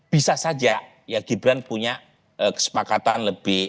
bisa saja ya gibran punya kesepakatan lebih